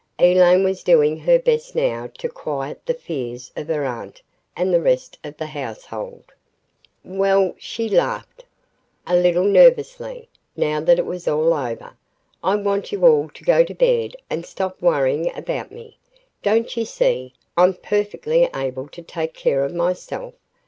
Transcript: Elaine was doing her best now to quiet the fears of her aunt and the rest of the household. "Well," she laughed, a little nervously, now that it was all over, "I want you all to go to bed and stop worrying about me. Don't you see, I'm perfectly able to take care of myself?